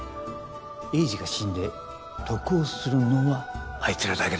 栄治が死んで得をするのはあいつらだけだ。